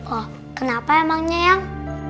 oh kenapa emangnya eyang